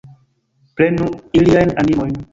Prenu iliajn animojn!